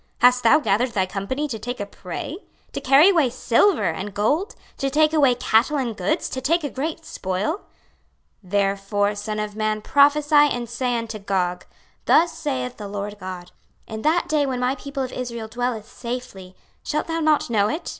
hast thou gathered thy company to take a prey? to carry away silver and gold, to take away cattle and goods, to take a great spoil? 26:038:014 Therefore, son of man, prophesy and say unto Gog, Thus saith the Lord GOD; In that day when my people of Israel dwelleth safely, shalt thou not know it?